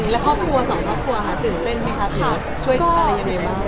แล้วครอบครัวสองครอบครัวค่ะตื่นเต้นไหมคะช่วยครอบครัวยังไงบ้าง